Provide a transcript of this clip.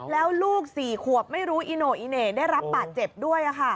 แล้วลูก๔ขวบไม่รู้อีโน่อีเหน่ได้รับบาดเจ็บด้วย